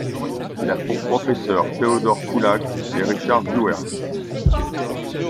Il a pour professeurs Theodor Kullak et Richard Wüerst.